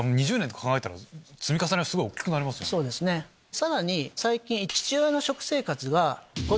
さらに最近。